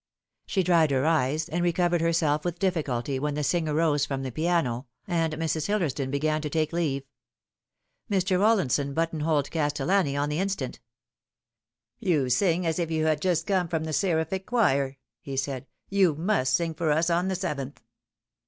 She dried her eyes and recovered herself with difficulty when the singer rose from the piano and Mrs. Hillersdon began to take leave. Mr. Rollinson button holed Castellani on the instant. " You sing as if you had just come from the seraphic choir," he said. " You must sing for us on the seventh."